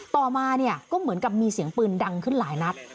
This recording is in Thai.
ต่อมาเนี่ยก็เหมือนกับมีเสียงปืนดังขึ้นหลายนัด